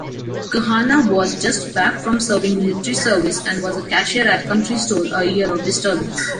Lkhanaa was just back from serving military service and was a cashier at country store a year of disturbance.